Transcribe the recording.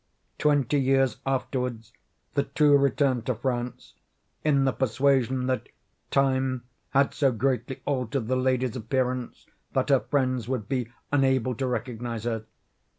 Twenty years afterward, the two returned to France, in the persuasion that time had so greatly altered the lady's appearance that her friends would be unable to recognize her.